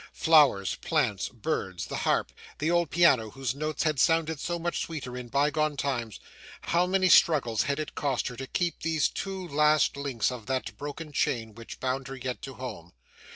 Flowers, plants, birds, the harp, the old piano whose notes had sounded so much sweeter in bygone times; how many struggles had it cost her to keep these two last links of that broken chain which bound her yet to home!